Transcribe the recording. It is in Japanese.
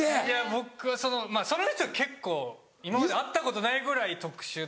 僕はそのその人が結構今まで会ったことないぐらい特殊で。